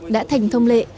đã thành thông lệ